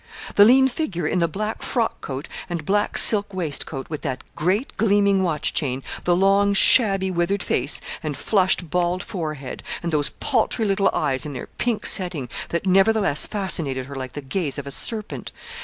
The lean figure in the black frock coat, and black silk waistcoat, with that great gleaming watch chain, the long, shabby, withered face, and flushed, bald forehead; and those paltry little eyes, in their pink setting, that nevertheless fascinated her like the gaze of a serpent.